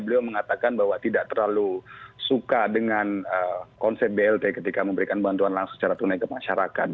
beliau mengatakan bahwa tidak terlalu suka dengan konsep blt ketika memberikan bantuan langsung secara tunai ke masyarakat